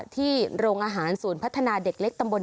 โรงอาหารศูนย์พัฒนาเด็กเล็กตำบล